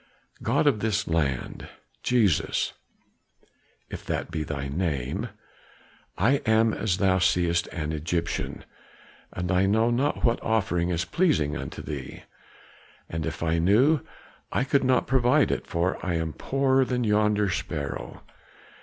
God of this land Jesus if that be thy name! I am as thou seest an Egyptian, and I know not what offering is pleasing unto thee; and if I knew I could not provide it, for I am poorer than yonder sparrow.